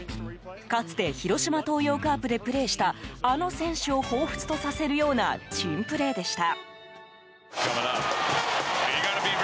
かつて広島東洋カープでプレーしたあの選手をほうふつとさせるような珍プレーでした。